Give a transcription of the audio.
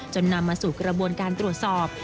นำมาสู่กระบวนการตรวจสอบ